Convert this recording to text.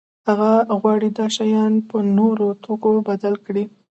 هغه غواړي دا شیان په نورو توکو بدل کړي.